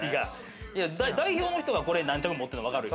代表の人がこれ何着も持ってるのは分かるよ。